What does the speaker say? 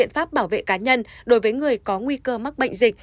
pháp bảo vệ cá nhân đối với người có nguy cơ mắc bệnh dịch